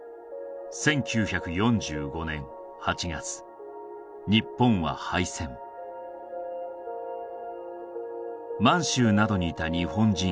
１９４５年８月日本は敗戦満州などにいた日本人